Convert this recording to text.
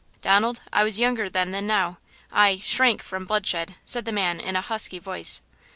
"Donald, I was younger then than now. I–shrank from bloodshed," said the man in a husky voice.